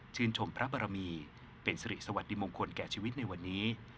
ชมพระบรมีเป็นสิริสวัสดิมงคลแก่ชีวิตในวันนี้